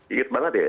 ingat banget ya